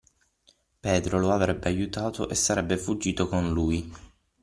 Pedro lo avrebbe aiutato e sarebbe fuggito con lui.